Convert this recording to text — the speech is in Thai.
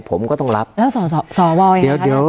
ผมก็ต้องรับแล้วส่อส่อส่ออย่างไรครับเดี๋ยวเดี๋ยว